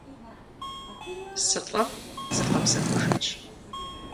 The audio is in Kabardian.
Сылӏэм зывгъэпсэхужынщ.